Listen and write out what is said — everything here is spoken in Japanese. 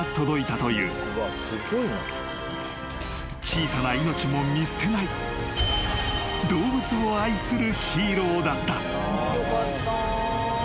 ［小さな命も見捨てない動物を愛するヒーローだった］